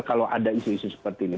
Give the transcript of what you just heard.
kalau ada isu isu seperti ini